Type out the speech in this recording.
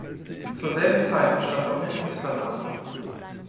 Zur selben Zeit entstand auch ihr Künstlername.